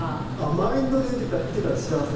マインドでいけたら幸せ。